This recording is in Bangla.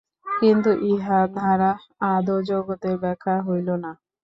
কিন্তু ইহাদ্বারা আদৌ জগতের ব্যাখ্যা হইল না।